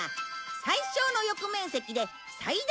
最小の翼面積で最大の。